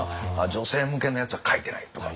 女性向けのやつは書いてないとか。